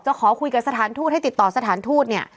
จะขอคุยกับสถานทูตให้ติดต่อสถานทูต